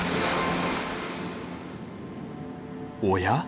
おや？